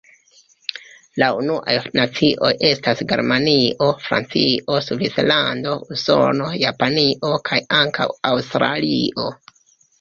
La unuaj nacioj estas Germanio, Francio, Svislando, Usono, Japanio kaj ankaŭ Aŭstralio.